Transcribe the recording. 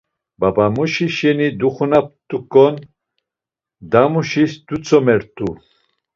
Babamuşi şeni duxunapt̆uǩon damuşis dutzumert̆u.